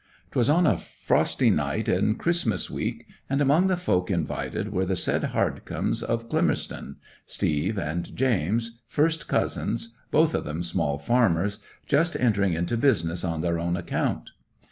''Twas on a frosty night in Christmas week, and among the folk invited were the said Hardcomes o' Climmerston—Steve and James—first cousins, both of them small farmers, just entering into business on their own account.